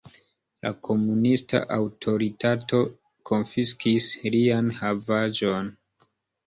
La komunista aŭtoritato konfiskis lian havaĵon.